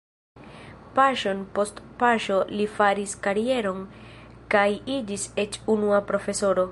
Paŝon post paŝo li faris karieron kaj iĝis eĉ unua profesoro.